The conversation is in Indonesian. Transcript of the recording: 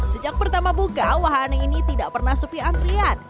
sejak pertama buka wahane ini tidak pernah supi antrian